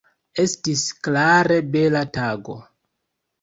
Estis klare bela tago.